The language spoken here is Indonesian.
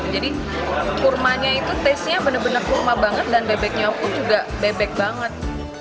jadi kurmanya itu tasenya benar benar kurma banget dan bebeknya pun juga bebek banget